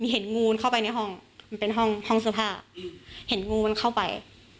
เห็นงูเข้าไปในห้องมันเป็นห้องห้องเสื้อผ้าเห็นงูมันเข้าไป